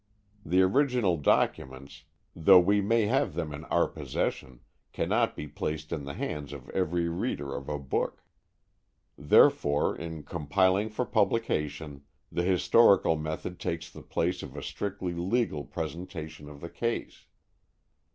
The original documents, though we may have them in our possession, cannot be placed in the hands of every reader of a book. Therefore in compiling for publication, the historical method takes the place of a strictly legal presentation of the case.